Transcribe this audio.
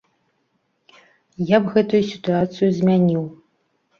Я б гэтую сітуацыю змяніў.